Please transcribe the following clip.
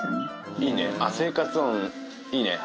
いいね、生活音いいね。